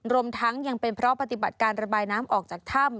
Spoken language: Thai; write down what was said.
รวมทั้งยังเป็นเพราะปฏิบัติการระบายน้ำออกจากถ้ำ